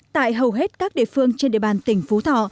tại hầu hết các địa phương trên địa bàn tỉnh phú thọ